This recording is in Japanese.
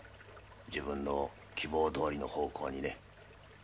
自分の希望どおりの方向にね。